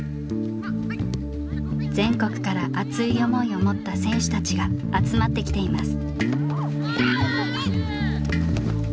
全国から熱い思いを持った選手たちが集まってきています。